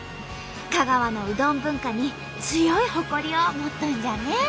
香川のうどん文化に強い誇りを持っとんじゃね！